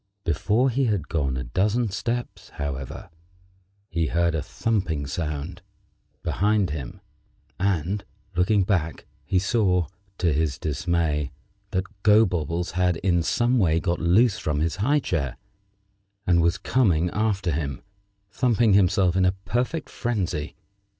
Before he had gone a dozen steps, however, he heard a thumping sound behind him, and, looking back, he saw, to his dismay, that Gobobbles had in some way got loose from his high chair, and was coming after him, thumping himself in a perfect frenzy.